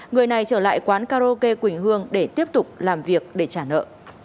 người này trở lại quán karaoke quỳnh hương để tiếp tục làm việc để trả nợ